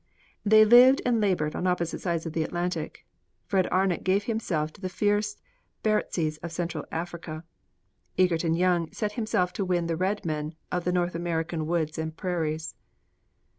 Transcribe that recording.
They lived and labored on opposite sides of the Atlantic. Fred Arnot gave himself to the fierce Barotses of Central Africa; Egerton Young set himself to win the Red Men of the North American woods and prairies.